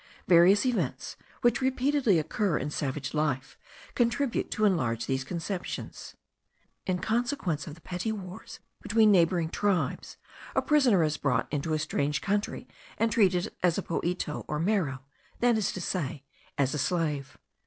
Various events, which repeatedly occur in savage life, contribute to enlarge these conceptions. In consequence of the petty wars between neighbouring tribes, a prisoner is brought into a strange country, and treated as a poito or mero, that is to say, as a slave.